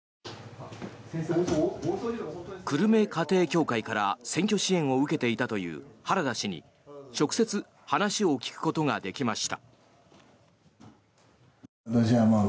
久留米家庭教会から選挙支援を受けていたという原田氏に直接、話を聞くことができました。